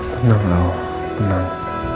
tenang tuhan tenang